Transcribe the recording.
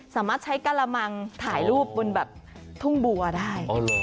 สามารถใช้กะละมังถ่ายรูปบนแบบทุ่งบัวได้